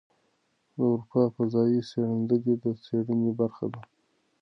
د اروپا فضايي څېړندلې د څېړنې برخه ده.